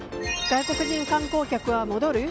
外国人観光客は戻る？